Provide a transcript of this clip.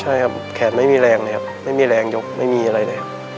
ใช่ครับแขนไม่มีแรงเลยครับไม่มีแรงยกไม่มีอะไรเลยครับ